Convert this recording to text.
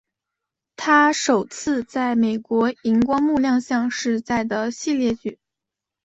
她首次在美国萤光幕亮相是在的系列剧。